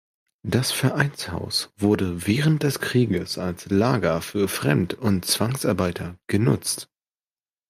Das Vereinshaus wurde während des Krieges als Lager für Fremd- und Zwangsarbeiter genutzt.